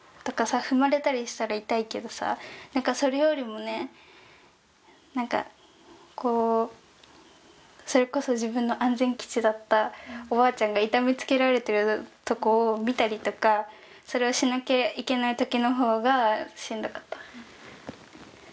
踏まれたりしたら痛いけどさそれよりもねなんかこうそれこそ自分の安全基地だったおばあちゃんが痛めつけられてるところを見たりとかそれをしなきゃいけないときのほうがしんどかった。